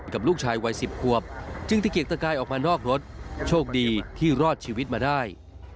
กับลูกชายวัย๑๐ควบจึงตะเกียกตะกายออกมานอกรถโชคดีที่รอดชีวิตมาได้